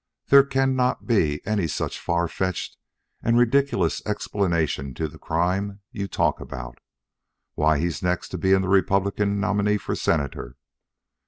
There cannot be any such far fetched and ridiculous explanation to the crime you talk about. Why, he's next to being the Republican nominee for Senator.